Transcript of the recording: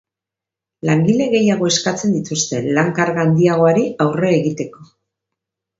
Langile gehiago eskatzen dituzte, lan-karga handiagoari aurre egiteko.